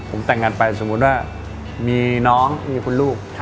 ผมแต่งงานไปสมมุติว่ามีน้องมีคุณลูก